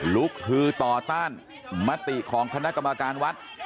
ลุกคือต่อต้านมติของคณะกรรมการวัด